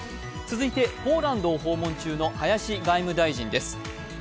続いて、ポーランドを訪問中の林外務大臣です。